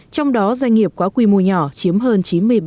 trong đó doanh nghiệp có quy mô nhỏ chiếm hơn chín mươi ba